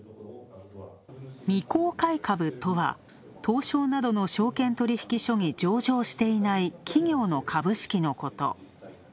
未公開株とは、東証などの証券取引所に上場していない企業の株式のこと。